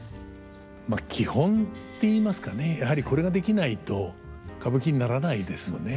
まあ基本ていいますかねやはりこれができないと歌舞伎にならないですよね。